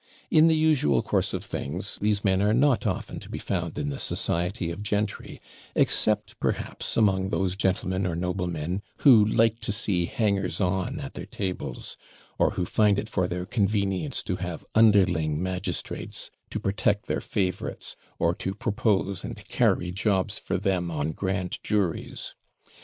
In the usual course of things, these men are not often to be found in the society of gentry; except, perhaps, among those gentlemen or noblemen who like to see hangers on at their tables; or who find it for their convenience to have underling magistrates, to protect their favourites, or to propose and CARRY jobs for them on grand juries.